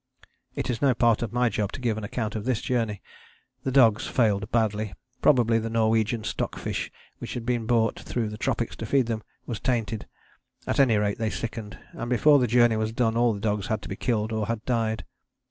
It is no part of my job to give an account of this journey. The dogs failed badly: probably the Norwegian stock fish which had been brought through the tropics to feed them was tainted: at any rate they sickened; and before the journey was done all the dogs had to be killed or had died.